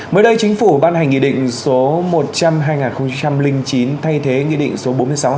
mới đây chính phủ ban hành nghị định số một trăm linh hai nghìn chín thay thế nghị định số bốn mươi sáu hai nghìn một mươi sáu